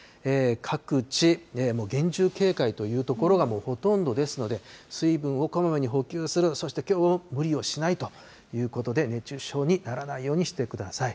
各地厳重警戒という所がほとんどですので、水分をこまめに補給する、そして無理をしないということで熱中症にならないようにしてください。